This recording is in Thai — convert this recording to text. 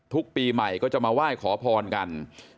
ปีใหม่ก็จะมาไหว้ขอพรกัน